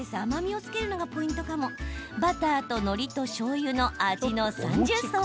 バターと、のりと、しょうゆの味の三重奏。